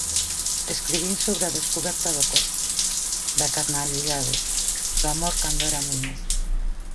Escribín sobre a descuberta do corpo, da carnalidade, do amor cando era moi moza.